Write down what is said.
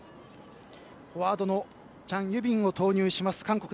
フォワードのチャン・ユビンを投入します、韓国。